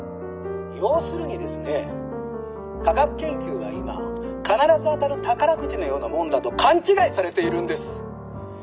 「要するにですね科学研究は今必ず当たる宝くじのようなものだと勘違いされているんです。